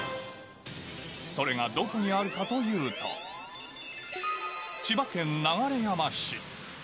それがどこにあるかというと、千葉県流山市。